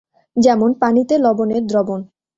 যেমন -পানিতে লবণের দ্রবণ।